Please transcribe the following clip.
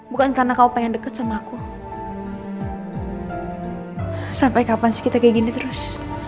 bukan karena kau pengen deket samaku sampai kapan sih kita kayak gini terus